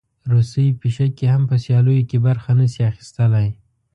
روسۍ پیشکې هم په سیالیو کې برخه نه شي اخیستلی.